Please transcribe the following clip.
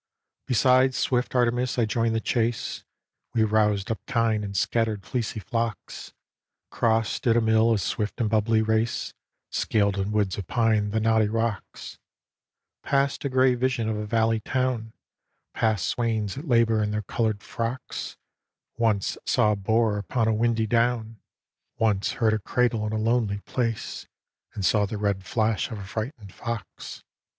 Besides swift Artemis I joined the chase; We roused up kine and scattered fleecy flocks; Crossed at a mill a swift and bubbly race ; Scaled in a wood of pine the knotty rocks ; Past a grey vision of a valley town; Past swains at labour in their coloured frocks ; Once saw a boar upon a windy down ; Once heard a cradle in a lonely place, And saw the red flash of a frightened fox.